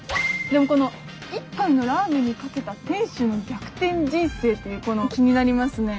この「一杯のラーメンにかけた店主の逆転人生」っていう気になりますね。